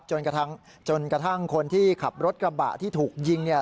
จนกระทั่งคนที่ขับรถกระบะที่ถูกยิงเนี่ย